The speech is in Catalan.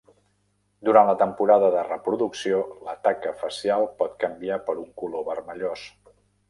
Durant la temporada de reproducció, la taca facial pot canviar per un color vermellós.